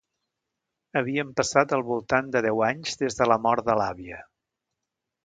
Havien passat al voltant de deu anys des de la mort de l'àvia.